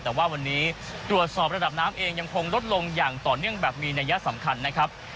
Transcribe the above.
แต่ว่าวันนี้ตรวจสอบระดับน้ำเองยังคงลดลงอย่างต่อเนื่องแบบมีนัยสำคัญนะครับ